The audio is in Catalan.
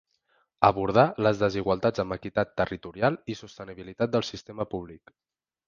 Abordar les desigualtats amb equitat territorial i sostenibilitat del sistema públic.